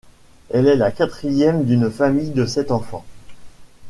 Elle est la quatrième d'une famille de sept enfants.